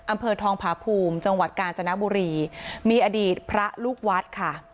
อำเภอทองผาภูมิจังหวัดกาญจนบุรีมีอดีตพระลูกวัดค่ะ